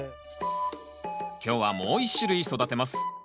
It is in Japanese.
今日はもう一種類育てます。